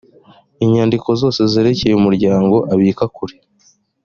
inyandiko zose zerekeye umuryango abika kure